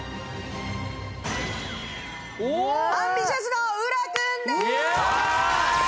ＡｍＢｉｔｉｏｕｓの浦君です！